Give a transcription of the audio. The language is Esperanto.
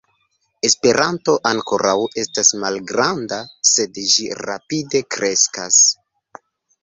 Esperanto ankoraŭ estas malgranda, sed ĝi rapide kreskas.